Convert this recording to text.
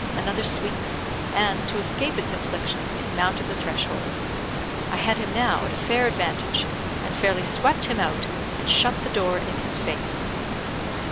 Another sweep, and, to escape its inflictions, he mounted the threshold. I had him now at a fair advantage, and fairly swept him out, and shut the door in his face.